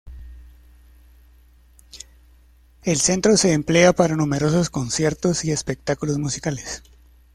El centro se emplea para numerosos conciertos y espectáculos musicales.